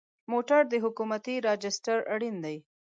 موټر د حکومتي راجسټر اړین دی.